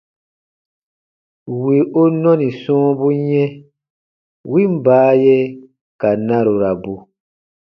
Wì u nɔni sɔ̃ɔbu yɛ̃, win baaye ka narurabu.